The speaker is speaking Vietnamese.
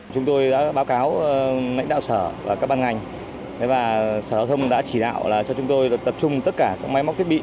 chúng tôi đã báo cáo lãnh đạo sở và các ban ngành và sở đào thông đã chỉ đạo cho chúng tôi tập trung tất cả các máy móc thiết bị